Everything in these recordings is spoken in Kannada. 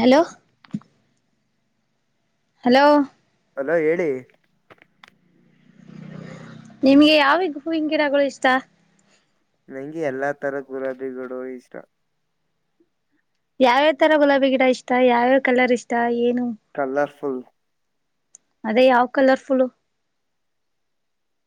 ಹಲೋ ಹಲೋ ಅಲೋ ಹೇಳಿ ನಿಮ್ಗೆ ಯಾವಿಗ ಹೂುವಂಗಿರಗಳು ಇಷ್ಟ ನಂಗೆ ಎಲ್ಲಾ ತರ ಗುಲಾಬಿಗಳು ಇಷ್ಟ ಯಾವ್ಯ ತರ ಗುಲಾಬಿ ಗಿಡ ಇಷ್ಟ ಯಾವ್ಯಾವ ಕಲರ್ ಇಷ್ಟ ಏನು ಕಲರ್ಫುಲ್ ಅದೇ ಯಾವ್ ಕಲರ್ಫುಲ್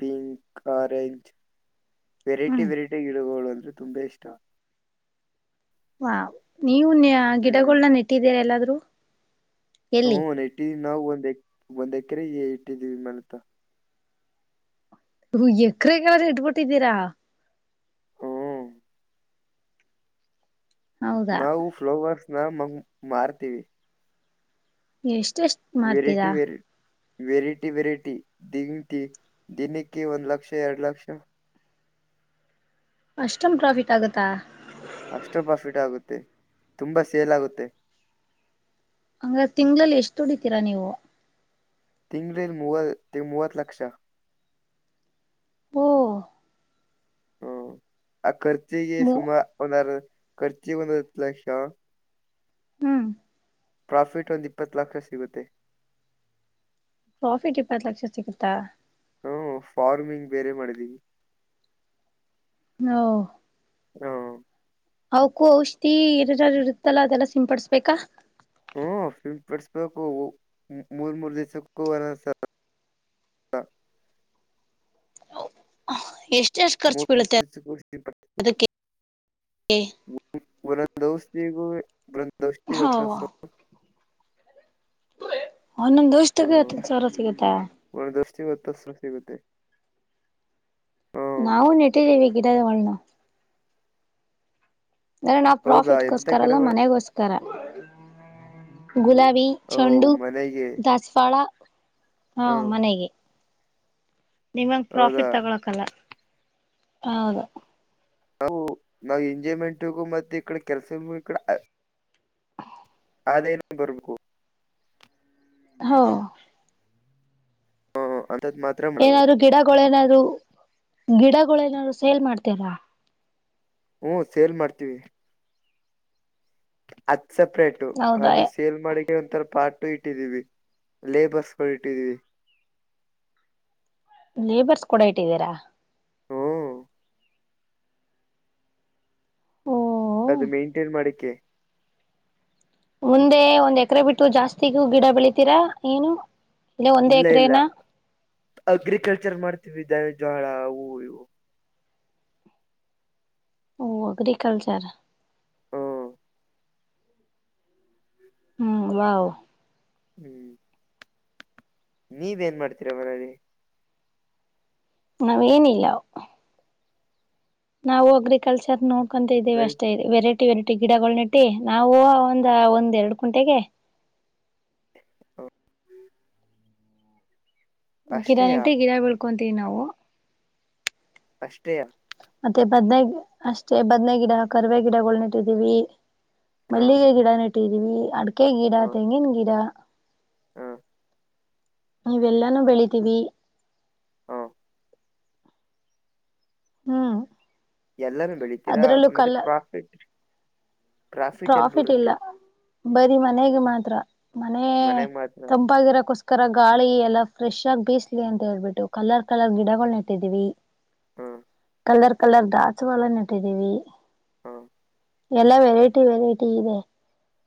ಪಿಂಕ್ ಆರೆಂಜ್ ವೆರೈಟಿ ಹ್ಮ್ ವೆರೈಟಿ ಗಿಡಗಳು ತುಂಬಾ ಇಷ್ಟ ಹಾ ನೀವು ಹ್ಮ್ ಗಿಡಗಳನ್ನ ನೆಟ್ಟಿದ್ದೀರ ಎಲ್ಲಾದ್ೂ ಹ ಒ ಏಟ್ಟವಿ ನಾವು ಒಂದ್ ಎ ಒಂದ್ ಎಕರೆ ಏಿದೀವಿ ಮಲ್ತ್ತ ಹ ಎಕ್ರ ಕೆಾದ್ರೆ ಇಡ್ಬಿಟ್ಟಿದ್ದೀರಾ ಹ್ಮ್ ಹೌದಾ ನಾವು ಫ್ಲವರ್ಸ್ ನ ಮ ಮಾರ್ತೀವಿ ನೀ ಎಷ್ಟ ಎಷ್ಟ್ ಮಾಡ್ತೀರಾ ವೆರೈಟಿ ವೆರೈ ವೆರೈಟಿ ವೆರೈಟಿ ದಂಂತ ದಿನಕ್ಕೆ ಒಂದು್ ಲಕ್ಷ ಎರಡು ಲಕ್ಷ ಅಷ್ಟೊಂದು್ ಪ್ರಾಫಿಟ್ ಆಗತ್ತಾ ಅಷ್ಟು ಪ್ರಾಫಿಟ್ ಆಗುತ್ತೆ ತುಂಬಾ ಸೇಲ್ ಆಗುತ್ತೆ ಹಂಗ ತಿಂಗ್ಗಳಲ್ಲಿ ಎಷ್ಟ ದುಡಿತೀರಾ ನೀವು ತಿಂಗ್್ರಲ್ ಮೂವ ಮೂವತ್ತು ಲಕ್ಷ ಹ ಹ್ಮ ಆ ಖರ್ಚಿಗೆ ಮೂ ಸುಮಾ ಒಂದಾರ ಖರ್ಚಿ ಒಂದುತ್ತು ಲಕ್ಷ ಹ್ಮ್ ಪ್ರಾಫಿಟ್ ಒಂದು ಇಪ್ಪತ್ತು ಲಕ್ಷ ಸಿಗುತ್ತೆ ಪ್ರಾಫಿಟ್ ಇಪ್ಪತ್ತು ಲಕ್ಷ ಸಿಗುತ್ತಾ ಹ್ಮ ಫಾರ್ಮಿಂಗ್ ಬೇರೆ ಮಾಡಿದೀವಿ ಹ ಹ್ಮ್ ಅವಕು ಔಷಧಿ ಇರಿರ ಇರುತ್ತಲ್ಲಾ ಅದೆಲ್ಲ ಸಿಂಪಡಸ್ಬೇಕಾ ಹ ಫಿಲ್ಮ್ ಪಡ್ಸ್್ಬೇಕು ಮೂರ್ ಮೂೂರು ದಿವ್ಸಕ್ಕೂ ಒರಸ ಎಷ್ಟ ಎಷ್ಟ್ ಖರ್ಚು ಮೂರು ಬೀಳುತ್ತೆ ಕ ಹೆ ದೌಸ್ಿಗ ಬೃಂದ ದೌಷ್ಟಿ ಹಾ ಗತ್ತ ಸೊ ಒ ನಂದ್ ದೋಷ ತಗತ್ತ ಸರ ಸಿಗತ್ತಾ ಚ ಒತ್ತಸರು ಸಿಗುತ್ತ ನಾವು ನೆಟ್ಟಿದ್ದೀವಿ ಗಿಡದ ಒನ ಅ್ರ ನಾವ್ ಹೌದಾ ಎಂತ ಪ್ರಾಫಿಟ್ಗೋಸ್ಕರಲ್ಲಾ ಗಿಡಗಳು ಮನೆಗೋಸ್ಕರ ಗುಲಾಬಿ ಓ ಚೆಂಡು ಮನೆಗೆ ದಸ್ಫಾಳ ಹಾ ಹ್ಮ್ ಮನೆಗೆ ನಿಮಂಗ ಹೌದಾ ಪ್ರಾಫಿಟ್ ತಗೊಳಕಲ್ಲ ಹೌದು ನಾವು ನಾವ ಎಂಜಾಯ್ಮೆಂಟಗೂ ಮತ್ತೆ ಈ ಕಡೆ ಕೆಲಸೂ ಈಡೆ ಅದೇನ ಬರ್ಬೇಕು ಹೌ ಹ ಅ ಏನಾದ್ರು ಗಿಡಗಳು ಏನಾದ್ರು ಗಿಡಗಳು ಏನಾದ್ರು ಸೇಲ್ ಮಾಡ್ತೀಾರಾ ಹ್ಮ ಸೇಲ್ ಮಾಡ್ತೀವಿ ಅತ್ ಸಪ್ರೇಟು ಹೌದಾ ಅದು ಸೇಲ್ ಮಾಡಿ ಒಂಥರ ಪಾರ್ಟು ಇಟ್ಟಿದೀವಿ ಲೇಬರ್ಸ್ಗಳು ಇಟ್ಟಿದೀವಿ ಲೇಬರ್ಸ್ ಕೊೂಡ ಇಟ್ಟಿದ್ದೀರಾ ಹ್ಮ್ ಓ ಅದು ಮೇಂಟೇನ್ ಮಾಡಕ್ಕೆೆ ಮುಂದೆ ಒಂದ್ ಎಕರೆ ಬಿಟ್ಟು ಜಾಸ್ತಿಗೂ ಗಿಡ ಬೆಳಿತೀರಾ ಏನು ಒಂದೇ ಇಲ್ಲ ಇಲ್ಲ ಎಕರೆನಾ ಅಗ್ರಿಕಲ್ಚರ್ ಮಾಡ್ತೀವಿ ಜಳಾ ಅವು ಇವು ಓ ಅಗ್ರಕಲ್ಚರ್ ಹ್ಮ್ ಹ್ಮ್ ವಾವ್ ಹ್ಮ್ ನೀವೇನ್ ಮಾಡ್ತೀರ ಮನೆಯಲ್ಲಿ ನಾವೇನಿಲ್ಲ ನಾವು ಅಗ್ರಿಕಲ್ಚರ್ ನೋಡ್ಕೊಂತ ಇದ್ದೇವಿ ಬೆಳ್ ಅಷ್ಟೇ ವೆರೈಟಿ ಇಟ್ಟಟ್ಟಿ ಗಿಡಗಳನಟ್ಟಿ ನಾವು ಒಂದ ಒಂದ್ ಎರಡ್ ಕುಂಟೆಗೆ ಹ್ಮ್. ಗಿಡ ಅಷ್ಟೇಯಾ ನಟ ಗಿಡ ಬೆಳ್ಕೊಂತೀವಿ ನಾವು ಅಷ್ಟ್ರೆಯ ಮತ್ತೆ ಬದ್ನ ಅಷ್ಟೇ ಬದ್ನ ಗಿಡ ಕರುವವೆ ಗಿಡಗಳನ ಇಟ್ಟಿದ್ದೀವಿ ಹ ಮಲ್ಲಿಗೆ ಗಿಡ ನೆಟ್ಟಿದೀವಿ ಅಡಕೆ ಗಿಡ ತೆಂಗಿನ ಗಿಡ ಹಾ ನೀವೆಲ್ಲಾನೂ ಬೆಳಿತೀವಿ ಹ ಹ್ಮ್ ಎಲ್ಲಾನೂ ಬೆಳಿತೀರಾ ಅದ್ರಲ್ಲೂ ಮತ್ತೆ ಕಲ್ಲ ಪ್ರಾಫಿಟ್ೀ ಟ್ರಾಫಿಟ್ ಎಲ್ಲಿ ಬರುತ್ತೆ ಬರಿೀ ಮನೆಗೆ ಮಾತ್ರ ಮನೆ ಮನೆಗ್ ಮಾತ್ರ ತಂಪಾಗಿರಕೋಸ್ಕರ ಗಾಳಿ ಎಲ್ಲ ಫ್ರೆಶ್ ಆಗಿ ಬೇಿಸ್ಲಿ ಅಂತ ಹೇಳ್ಬಿಟ್ಟು ಕಲರ್ ಕಲರ್ ಗಿಡಗಳ ನೆಟ್ಟಿದೀವಿ ಹ ಕಲರ್ ಕಲರ್ ದಾಚುವಳನ್ನ ಇಟ್ಟಿದ್ದೀವಿ ಹ್ಮ ಎಲ್ಲ ವೆರೈಟಿ ವೆರೈಟಿ ಇದೆ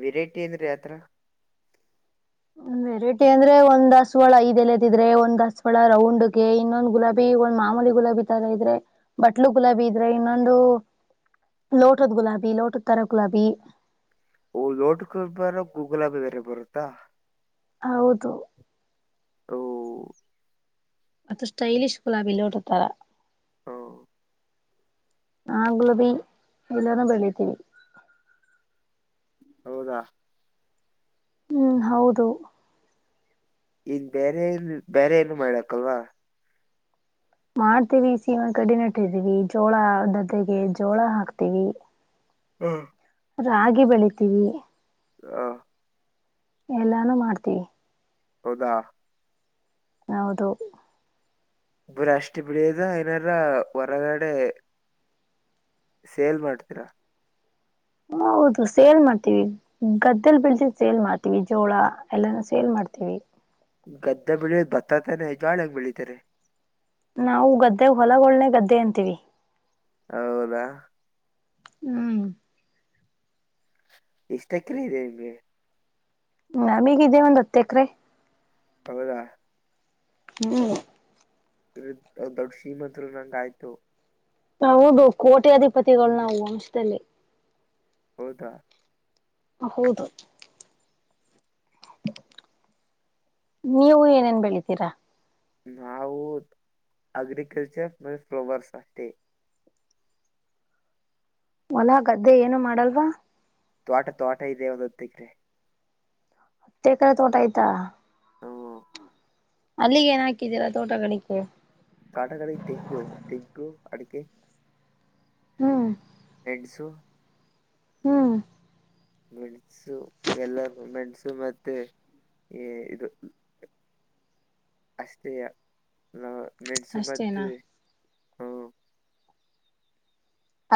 ವರೈಟಿ ಏನ್್ರೀ ಆತ್ರ ವೆರೈಟಿ ಅಂದ್ರೆ ಒಂದ್ ದಸವಾಳ ಇದೆಲ್ಲದಿದ್ರೆ ಒಂದ್ ದಸವಾಳ ರೌಂಡ್ಗೆ ಇನ್ನೊಂದ್ ಗುಲಾಬಿ ಒಂದ್ ಮಾಮೂಲಿ ಗುಲಾಬಿ ತರ ಇದ್ರೆ ಬಟ್ಲು ಗುಲಾಬಿ ಇದ್ರೆ ಇನ್ನೊಂದು ಲೋಟದ ಗುಲಾಬಿ ಲೋಟದ ತರಾ ಗುಲಾಬಿ ಲೋಟಕ ಬರ ಗೂಗಲ್ಬಿ ಬೇರೆ ಬರುತ್ತಾ ಹೌದು ತೋ ಅದುಷ್ಟ್ಟೈಲಿಷ್ ಗುಲಾಬಿಲ್ಲಿೋಡ್ತಾರ ಹ್ಮ ಹ ಗುಲ್ಬಿ ಎಲ್ಲಾನೂ ಬೆಳಿತೀವಿ ಹೌದಾ ಹ್ಮ್ ಹೌದು ಇನ್ ಬೇರೆ ಏನ್ ಬೇರೆ ಏನು ಮಾಡಾಕ್ಲ್ವಾ ಮಾಡ್ತೀವಿ ಸೀಮನ್ ಕಡ ನೆಟ್ಟ ರ್ಿದೀವಿ ಜೋಳ ದದ್ದೆಗೆ ಜೋಳ ಹಾಕ್ತಿೀವಿ ಹ್ಮ ರಾಗಿ ಬೆಳಿತೀವಿ ಹಾ ಎಲ್ಲಾನು ಮಾಡ್ತೀವಿ ಹೌದಾ ಹೌದು ಇಬರ ಅಷ್ಟು ಬಿಳದ ಏನಾರ ಹೊರಗಡೆ ಸೇಲ್ ಮಾಡ್ತೀರಾ ಹ ಹೌದು ಸೇಲ್ ಮಾಡ್ತೀವಿ ಗದ್ದಲ್ ಬಿಳ್ಸ ಸೇಲ್ ಮಾಡ್ತೀವಿ ಜೋಳ ಎಲ್ಲಾನ ಸೇಲ್ ಮಾಡ್ತೀವಿ ಗದ್ದೆ ಬೆಳಿಯದ ಬತ್ತಾತಾನ ಜಾಳಾಗ ಬೆಳಿತಾರೆ ನಾವು ಗದ್ದೆ ಹೊಲಗೊಳ್ನೆ ಗದ್ದೆ ಅಂತೀವಿ ಹೌದಾ ಹ್ಮ್ ಇಷ್ಟಕ್ಕೆಲ ಇದೆ ನಿಮ್ಗೆ ನಮೀಗಿದೆ ಒಂದ್ ಹತ್ತ ಎಕ್ರೆ ಹೌದಾ ಹ್ಮ್ ದೊಡ್ ಶ್ರೀಮಂತರು ನಂಗ ಆಯ್ತು ಹೌದು ಕೋಟಿ ಅಧಿಪತಿಗಳು ನಾವು ವಂಶದಲ್ಲಿ ಹೌದಾ ಹೌದು ನೀವು ಏನೇನ್ ಬೆಳಿತೀರಾ ನಾವು ಅಗ್ರಿಕಲ್ಚರ್ ಮ ಫಲೋವರ್ಸ್ ಅೇ ಹೊಲಾ ಗದ್ದೆ ಏನು ಮಾಡಲ್ವಾ ತೋಟ ತೋಟ ಇದೆ ಒದೊತ್ತಗ್ರೆ ಹತ್ತು ಎಕರೆ ತೋಟ ಆಯ್ತಾ ಹ ಅಲ್ಲಿಗೆ ಏನ್ ಹಾಕಿದ್ದೀರಾ ತೋಟಗಿಕ ಕಡಗಡೆ ತೆಂಂಗು ತೆಂಗು ಅಡಿಕೆ ಹ್ಮ್ ಎಡ್ಸು [inaudible] ಹ್ಮ್ ಮೆಣಸು ಎಲ್ಲೂ ಮೆಣಸು ಮತ್ತೆ ಈ ಇದು ಅಷ್ಟೆಯ ನ ಮೆಣಸು ಬೆ ಅಷ್ಟೇನಾ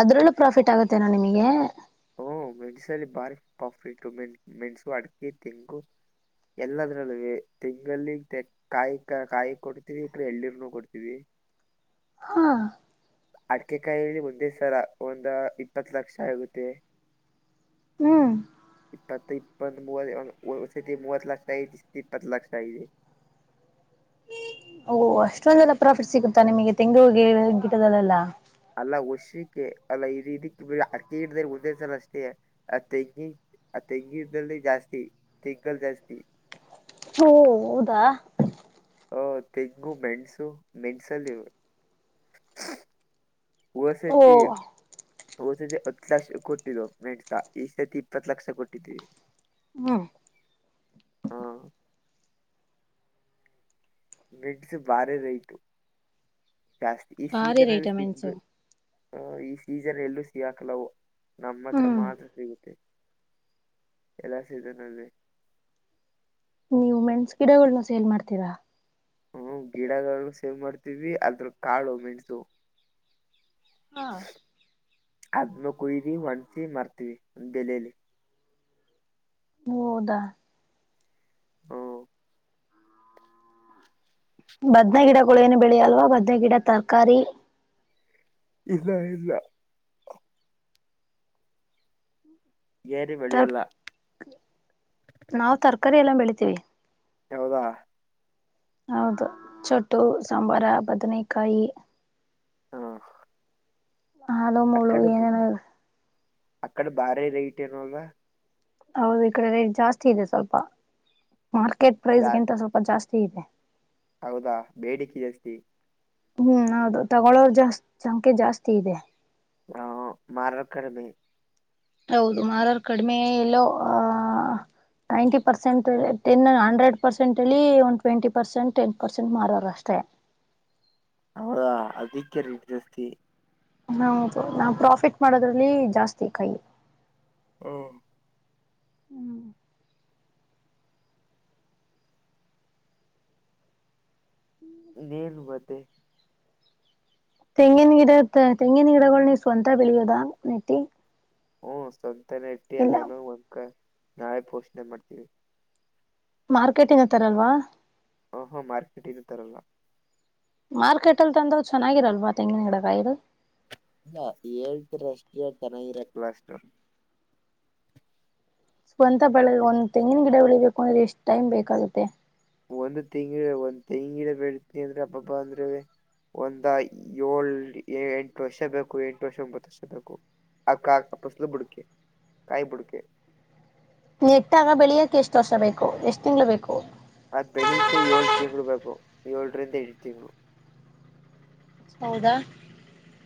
ಅದ್ರಲ್ಲೂ ಪ್ರಾಫಿಟ್ ಆಗತ್ತೇನಾ ನಿಮಗೆ ಹ್ಮ ಮೆಣಸಲ್ಲಿ ಬಾರಿ ಪಾಫಿಟ್ಟು ಮೆಣ ಮೆಣಸು ಅಡ್ಕೆ ತೆಂಗು ಎಲ್ಲದ್ರಲ್ಲ ತಿಂಗಲ್ಲಿ ಕಾಯಿ ಕಾಯಿ ಕೊಡ್ತಿವಿ ಇ್ರ ಎಳ್ಳಿರ್ನು ಕೊಡ್ತೀವಿ [inaudible] ಹಾ ಅಡಕೆಕಾಯಲ್ಲಿ ಒಂದೇ ಸರ ಒಂದ ಇಪ್ಪತ್ ಲಕ್ಷ ಆಗುತ್ತೆ ಹ್ಮ್ ಇಪ್ಪತ್ತು ಇಪ್ಪತ್ತ್ ಮೂವ ಮೂವತ್ತು ಲಕ್ಷ ಐ ಇಪ್ಪತ್ತು ಲಕ್ಷ ಆಗದೆ [inaudible] ಓಹ ಅಷ್ಟೊಂದೆಲ್ಲ ಪ್ರಾಫಿಟ್ ಸಿಗುತ್ತಾ ನಿಮಗೆ ತೆಂಗು ಹೋಗಿ ಗಿಟದಲ್ಲೆಲ್ಲಾ ಅಲ್ಲ ವರ್ಷಕ್ಕೆ ಅಲ್ಲ ಇದ ಇದಿಕ್ ಅರ್ಕೆ ಹಿಡ್ದ್ರ ಒಂದೇ ಸಲ ಅಷ್ಟೇ ಆ ತೆಂಗಿ ಆ ತೆಂಗೀದಲ್ಲಿ ಜಾಸ್ತಿ ತೆಂಗಲ್ ಜಾಸ್ತಿ ಹ ಹೌದಾ ಹಓ ತೆಂಗು ಮೆಣಸು ಮೆಣಸಲ್ಲಿ ಇವೆ ಹ ಓ ಸತಿ [inaudible] ಹ ಸತಿ ಹತ್ತು ಲಕ್ಷ ಕೊಟ್ಟರರು ಮೆಂಸಾ ಈ ಸರ್ತಿ ಇಪ್ಪತ್ತು ಲಕ್ಷ ಕೊಟ್ಟಿದ್ದೀರಿ ಹ್ಮ ಮಿಡ್ಸ್ ಭಾರಿ ರೈಟು ಜಾಸ್ತಿ ಈ ಭಾರಿ ಸೀಸನ್ ರೇಟ ಅಲ್ಲಿ ಸಿಗ್ ಮೆಣಸು ಹ ಈ ಸೀಸನ್ ಎಲ್ಲೂ ಸಿಗಾಕಲ್ಲವು ನಮ್ಮ ಹತ್ರ ಹ್ಮ್ ಮಾತ್ರ ಸಿಗುತ್ತೆ ಎಲ್ಲ ಸ ನನ್ಗೆ ನೀವು ಮೆನ್ಸ್ ಗಿಡಗಳನ್ನ ಸೇಲ್ ಮಾಡ್ತೀರಾ ಹ್ಮ ಗಿಡಗಳು ಸೇವ್ ಮಾಡ್ತೀವಿ ಅದ್ರ ಕಾಳು ಮೆಣಸು ಹಾ ಆದದ್ಮ ಕುಯ್ದಿ ಒಣ್ಸಿ ಮರ್ತೀವಿ ಒ್ ಬೆಲೆಯಲ್ಲಿ ಹೌದಾ ಹ್ಮ್ ಬದ್ನ ಗಿಡಗಳು ಏನು ಬೆಳೆಯಲ್ವಾ ಬದ್ನ ಗಿಡ ತರಕಾರಿ ಇಲ್ಲಾ ಇಲ್ಲ ಏರಿ ತರ್ ಬೆಳಿಯಲ್ಲ ನಾವ್ ತರಕಾರಿ ಎಲ್ಲ ಬೆಳಿತೀವಿ ಹೌದಾ ಹೌದು ಚೊಟ್ಟು ಸಾಂಬಾರ ಬದನೇಕಾಯಿ ಹಾ ಹ ಅದ ಮೂಳು ಏನೇನ ಅಕ್ಕಡೆ ಭಾರಿ ರೇಟ್ ಏನಲ್ಲ ಹೌದು ಈ ಕಡೆ ರೇಟ್ ಜಾಸ್ತಿ ಇದೆ ಸ್ವಲ್ಪ ಮಾರ್ಕೆಟ್ ಪ್ರೈಸ್ಗಿಂತ ಜಾಸ್ತಿ ಸ್ವಲ್ಪ ಜಾಸ್ತಿ ಸೀತ ಹೌದಾ ಬೇಡಿಕೆ ಜಾಸ್ತಿ ಹ್ಮ್ ಅೌದು ತಗೊಳೋ ಜಾಸ್ತಿ ಸಂಖ್ಯೆ ಜಾಸ್ತಿ ಇದೆ ಹ ಮಾರೋ ಕಡಿಮೆ ಹೌದು ಮಾರ ಕಡಿಮೆ ಎಲ್ಲೋ ಆಹ ಹ್ಮ್ ninety percent ten hundred percent ಅಲ್ಲಿ ಒಂದು ಟ್ವೆಂಟಿ ಪರ್ಸೆಂಟ್ ಟೆನ್ ಪರ್ಸೆಂಟ್ ಮಾರೋಾರ ಅಷ್ಟೇ ಹೌದಾ ಅದಕ್ಕೆ್ಯ ರೀ ಜಸ್ತಿ ಹೌದು ನಾ ಪ್ರಾಫಿಟ್ ಮಾಡೋದ್ರಲ್ಲಿ ಜಾಸ್ತಿ ಕೈ ಹ್ಮ ಹ್ಮ್ ನೇಲ್ ಮತ್ತೆ ತೆಂಗಿನ ಗಿಡ ತೆಂಗಿನ ಗಿಡಗಳ ನೀ ಸ್ವಂತ ಬೆಳಿಯೋದ ನೆಟ್ಟಿ ಹ್ಮ ಸ್ವಂತನ ಇಟ್ಟಿ ಇಲ್ಲ ಎಲ್ಲಾನೂ ಒಂಕ ನಾವೇ ಪೋಷಣೆ ಮಾಡ್ತೀವಿ ಮಾರ್ಕೆಟಿಂಗ್ ಹತ್ತಾರಲ್ವಾ ಹೋ ಮಾರ್ಕೆಟಿನ ತರಲ್ಲ ಮಾರ್ಕೆಟ್ ಅಲ್ಲಿ ತಂದ ಚೆನ್ನಾಗಿರಲ್ವಾ ತೆಂಗಿನ ಗಿಡ ಕಾಯದು ಇಲ್ಲ ಹೇಳ್ತರ ಅಷ್ಟ ಚೆನ್ನಾಗಿರಕ್ಲ್ಲ ಅಷ್ಟು ಸ್ಂತ ಬಳ ಒಂದು ತೆಂಗಿನ ಗಿಡ ಉಳಿಬೇಕು ಅಂದ್ರೆ ಎಷ್ಟ ಟಮ್ ಬೇಕಾಗುತ್ತೆ ಒಂದು ತಿಂಗಿ ಒಂದ್ ತೆಂಗಿಡ ಬೆಳ್ತಿ ಅಂದ್ರೆ ಹಬ್ಬ್ಬ ಅಂದ್ರೆ ಒಂದ ಏಳ್ ಎಂಟು ವರ್ಷ ಬೇಕು ಎಂಟು ವರ್ಷ ಒಂಬತ್ತು ವರ್ಷ ಬೇಕು ಆ ಕಾ ಕಪಸಲು ಬುಡಕೆ ಕಾಯ ಬುಡಕೆ ನೀ ಎಟ್ಟಾಗ ಬೆಳಿಯಕ ಎಷ್ಟು ವರ್ಷ ಬೇಕು ಎಷ್ಟ್ ತಿಂಗ್ಳ ಬೇಕು ಅದ್ ಬೆಳಿಗ್ಗೆ ಏಳ್ ತಿಂಗಳು ಬೇಕು ಏಳರಿಂದ ಏಳು ತಿಂಗಳು ಹೌದಾ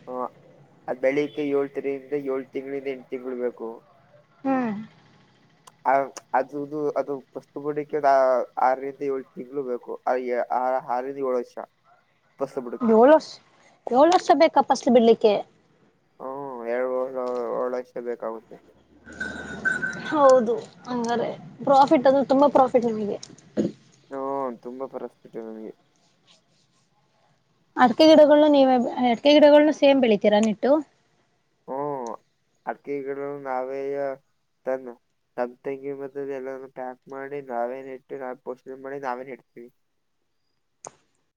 ಹ ಅದ್ ಬೆಳಿಗ್ ಏಳ್ ತಿರಿಂದ ಏಳ್ ತಿಂಗಳಿಂದ ಎಂಟು ತಿಂಳ ಬೇಕು ಹ್ಮ್ ಆ ಅದುದು ಅದು ಪಸ್ ಬಡಕ್ಕೆ ಆರರಿಂದ ಏಳ್ು ತಿಂಗಳು ಬೇಕು ಹ ಹಾರಿದ ಏಳು ವರ್ಷ ಫಸಲು ಬುಡಕೆ ಏಳು ವರ್ಷ ಏಳು ವರ್ಷ ಬೇಕಾ ಪಸ್ಲು ಬಿಡ್ಲಿಕ್ಕೆ ಹ್ಮ್ ಎರಡು ವ ವರ್ಳ ಲಕ್ಷ ಬೇಕಾಗುತ್ತೆ ಹೌದು ಹಂಗಾರೆ ಪ್ರಾಫಿಟ್ ಅದು ತುಂಬಾ ಪ್ರಾಫಿಟ್ ನಮಗೆ ಹ್ಮ ತುಂಬಾ ಪರಿಸ್ಥಿತಿ ನಮಗೆ ಅಡಕೆ ಗಿಡಗಳ್ನ್ನ ನೀವ ಅಡಕೆ ಗಿಡಗಳನ್ನ ಸೇಮ್ ಬೆಳಿತೀರಾ ನಿಟ್ಟು ಅಡಕೆ ನಾವೇ ತನ್ನ ನಮ ತೆಂಗಿ ಮತ್ತ ಎಲ್ಲ ಪ್ಯಾಕ್ ಮಾಡಿ ನಾವೇನ್ ಇಟ್ಟು ನಾವವು ಪೋಷಣ ಮಾಡಿ ನಾವೇನ್ ಇಡ್ತೀವಿ [unintelligible]